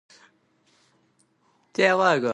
نوموړي کشره خور او ورور له لاسه ورکړل.